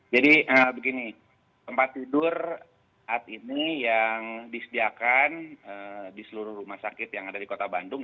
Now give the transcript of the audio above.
jadi begini tempat tidur saat ini yang disediakan di seluruh rumah sakit yang ada di kota bandung